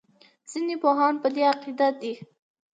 ځینې پوهان په دې عقیده دي.